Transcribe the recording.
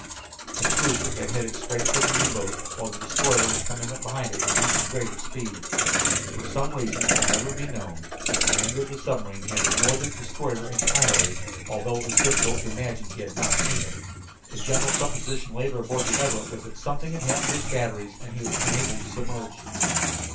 The cruiser had headed straight for the U boat, while the destroyer was coming up behind it with even greater speed. For some reason that never will be known the commander of the submarine had ignored the destroyer entirely, although it was difficult to imagine that he had not seen it. The general supposition later aboard the Everett was that something had happened to his batteries and he was unable to submerge.